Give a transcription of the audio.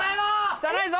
汚いぞ！